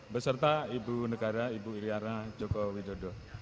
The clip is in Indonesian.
beserta ibu negara ibu iryana joko widodo